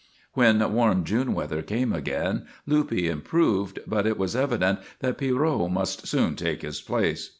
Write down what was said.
When warm June weather came again, Luppe improved, but it was evident that Pierrot must soon take his place.